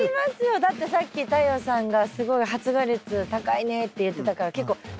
だってさっき太陽さんがすごい発芽率高いねって言ってたから結構密集してるじゃないですか。